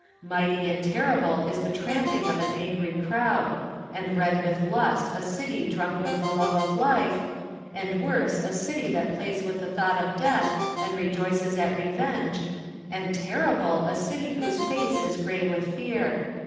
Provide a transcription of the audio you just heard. Mighty and terrible is the tramping of an angry crowd, and red with lust a city drunk with the love of life, and worse a city that 60 Digitized by Google THE NINTH MAN plays with the thought of death and re joices at revenge, and terrible a city whose face is gray with fear.